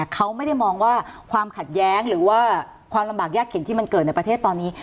เขาไม่ได้มองว่าความขัดแย้งหรือว่าความลำบากยากเข็นที่มันเกิดในประเทศตอนนี้